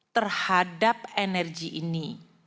terhadap energi ini